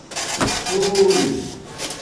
دُݸل